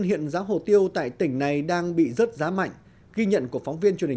hiện giá hồ tiêu tại tỉnh này đang bị rớt giá mạnh ghi nhận của phóng viên truyền hình